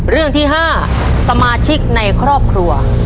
เรื่องที่๕สมาชิกในครอบครัว